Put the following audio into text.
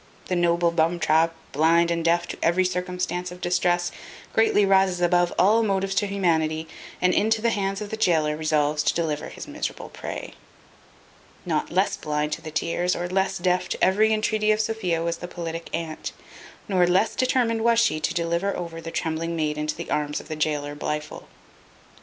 The noble bumtrap, blind and deaf to every circumstance of distress, greatly rises above all the motives to humanity, and into the hands of the gaoler resolves to deliver his miserable prey. Not less blind to the tears, or less deaf to every entreaty of Sophia was the politic aunt, nor less determined was she to deliver over the trembling maid into the arms of the gaoler Blifil.